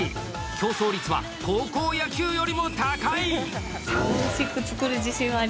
競争率は高校野球よりも高い！